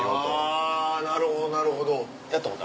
あなるほどなるほど。